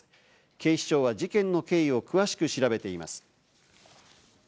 警視庁は事件の経緯を詳しく調べています。